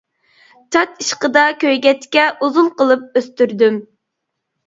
چاچ ئىشقىدا كۆيگەچكە، ئۇزۇن قىلىپ ئۆستۈردۈم.